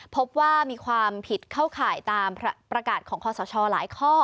พบว่ามีความผิดเข้าข่ายตามประกาศของคอสชหลายข้อ